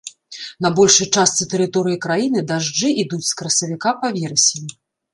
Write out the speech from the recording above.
На большай частцы тэрыторыі краіны дажджы ідуць з красавіка па верасень.